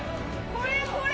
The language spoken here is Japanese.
これこれ！